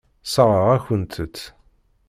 Sseṛɣeɣ-akent-t.